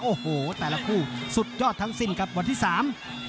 โอ้โหแต่ละครู่สุดยอดทั้งสิ้นกับวันศิษย์๓